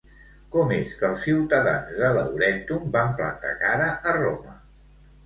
Com és que els ciutadans de Laurentum van plantar cara a Roma?